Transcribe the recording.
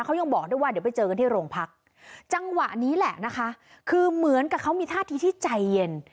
เขายังบอกด้วยว่าเดี๋ยวไปเจอกันที่โรงพักจังหวะนี้แหละนะคะคือเหมือนกับเขามีท่าทีที่ใจเย็น